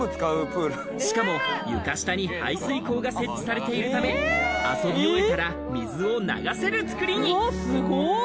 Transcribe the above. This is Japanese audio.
しかも床下に排水溝が設置されているため、遊び終えたら、水を流せる作りに。